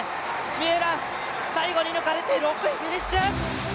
三浦、最後に抜かれて６位でフィニッシュ！